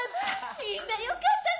みんなよかったね